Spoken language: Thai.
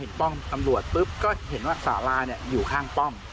ป้อมตำรวจปุ๊บก็เห็นว่าสาราอยู่ข้างป้อม